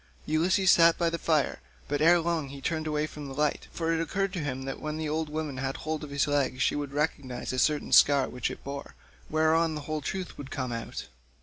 Ulysses sat by the fire, but ere long he turned away from the light, for it occurred to him that when the old woman had hold of his leg she would recognise a certain scar which it bore, whereon the whole truth would come out.